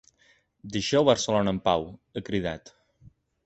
Deixeu Barcelona en pau!, ha cridat.